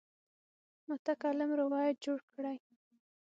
متکلم روایت جوړ کړی.